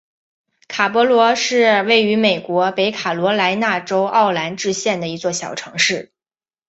卡勃罗是位于美国北卡罗来纳州奥兰治县的一座小城市。